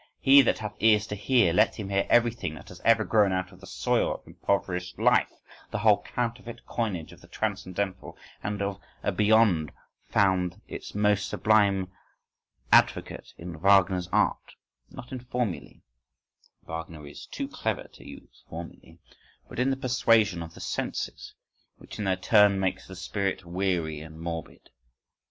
He that hath ears to hear let him hear: everything that has ever grown out of the soil of impoverished life, the whole counterfeit coinage of the transcendental and of a Beyond found its most sublime advocate in Wagner's art, not in formulæ (Wagner is too clever to use formulæ), but in the persuasion of the senses which in their turn makes the spirit weary and morbid.